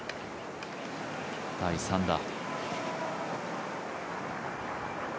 第３打。